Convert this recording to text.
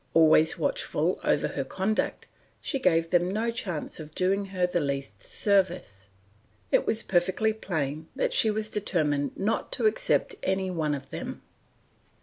Always watchful over her conduct, she gave them no chance of doing her the least service; it was perfectly plain that she was determined not to accept any one of them.